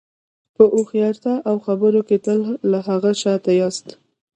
په هوښیارتیا او خبرو کې تل له هغه شاته یاست.